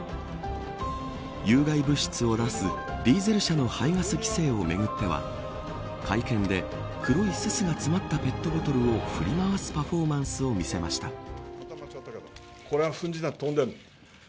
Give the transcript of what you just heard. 有害物質を出すディーゼル車の排ガス規制をめぐっては会見で、黒いすすが詰まったペットボトルを振り回すパフォーマンスを見せました。